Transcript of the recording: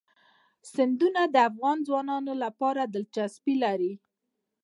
سیندونه د افغان ځوانانو لپاره دلچسپي لري.